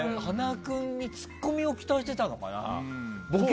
塙君にツッコミを期待してたのかな？